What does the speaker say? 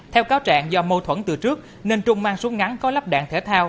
theo cáo trạng do mâu thuẫn từ trước nên trung mang súng ngắn có lắp đạn thể thao